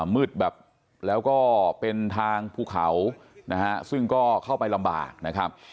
มืดแบบแล้วก็เป็นทางภูเขานะฮะซึ่งก็เข้าไปลำบากนะครับ